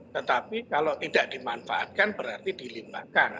tetapi kalau tidak dimanfaatkan berarti dilimpahkan